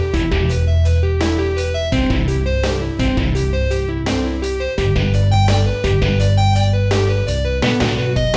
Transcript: beinda baiknya sudah matahar